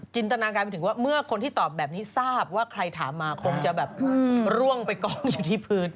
ตนาการไปถึงว่าเมื่อคนที่ตอบแบบนี้ทราบว่าใครถามมาคงจะแบบร่วงไปกองอยู่ที่พื้น